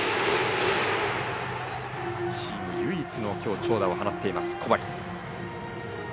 チーム唯一の今日、長打を放っている小針。